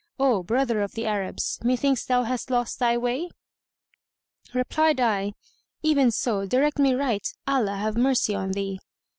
O brother of the Arabs, methinks thou hast lost thy way?" Replied I, "Even so, direct me right, Allah have mercy on thee!"